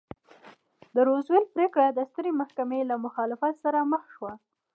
د روزولټ پرېکړه د سترې محکمې له مخالفت سره مخ شوه.